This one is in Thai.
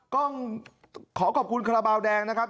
ขอขอบคุณคาราบาวแดงนะครับ